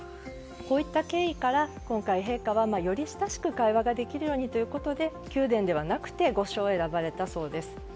こういった経緯から今回、陛下はより親しく会話ができるようにということで宮殿ではなくて御所を選ばれたそうです。